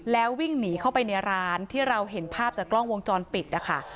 แล้ววิ่งหนีเข้าไปในร้านที่เราเห็นภาพจากกล้องวงจรปิดนะคะ